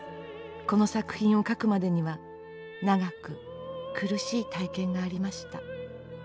この作品を描くまでには長く苦しい体験がありました。